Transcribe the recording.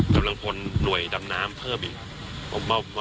กำลังพลหน่วยดำน้ำเพิ่มอีก